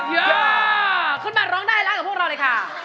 ย่าขึ้นมาร้องได้ให้ร้านกับพวกเราเลยค่ะ